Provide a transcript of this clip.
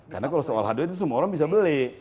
karena kalau soal hardware itu semua orang bisa beli